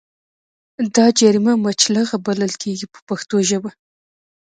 دا جریمه مچلغه بلل کېږي په پښتو ژبه.